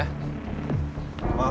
tidak ada yang bisa dikira